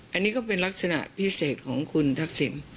อันนี้ก็เป็นลักษณะพิเศษของคุณทักษิณ